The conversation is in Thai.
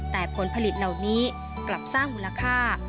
แต่ผลผลิตเหล่านี้กลับสร้างมูลค่า